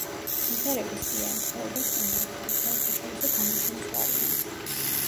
სიმღერების სია ემთხვეოდა სტანდარტული საერთაშორისო გამოცემის ვარიანტს.